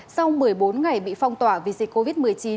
sau một mươi bốn ngày bị phong tỏa vì dịch covid một mươi chín